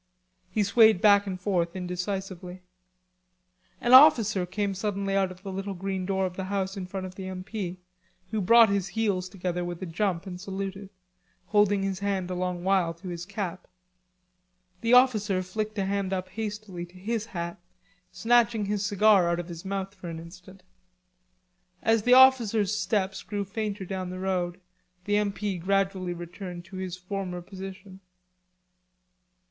He swayed back and forth indecisively. An officer came suddenly out of the little green door of the house in front of the M.P., who brought his heels together with a jump and saluted, holding his hand a long while to his cap. The officer flicked a hand up hastily to his hat, snatching his cigar out of his mouth for an instant. As the officer's steps grew fainter down the road, the M.P. gradually returned to his former position.